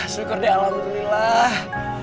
syukur deh alhamdulillah